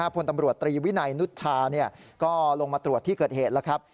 พลตำรวจตรีวินัยนุชชาก็ลงมาตรวจที่เกิดเหตุแล้วครับ